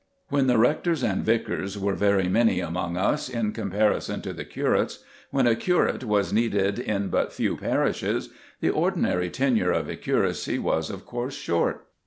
When the rectors and vicars were very many among us in comparison to the curates, when a curate was needed in but few parishes, the ordinary tenure of a curacy was, of course, short.